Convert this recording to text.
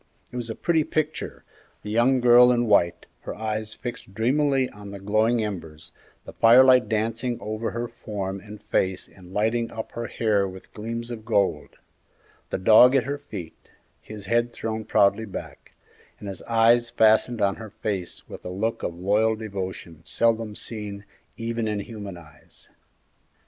It was a pretty picture; the young girl in white, her eyes fixed dreamily on the glowing embers, the firelight dancing over her form and face and lighting up her hair with gleams of gold; the dog at her feet, his head thrown proudly back, and his eyes fastened on her face with a look of loyal devotion seldom seen even in human eyes.